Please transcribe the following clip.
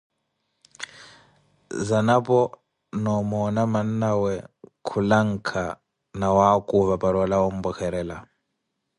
Zanapo na omoona mannawe khulanka nawakhuva para olawa ompwekherela.